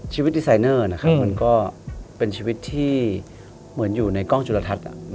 ดีไซเนอร์นะครับมันก็เป็นชีวิตที่เหมือนอยู่ในกล้องจุลทัศน์